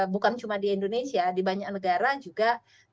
bukan cuma di indonesia di banyak negara juga